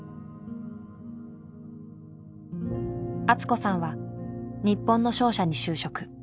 敦子さんは日本の商社に就職。